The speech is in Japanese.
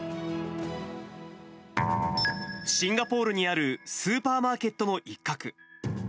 シンガポールにあるスーパーマーケットの一角。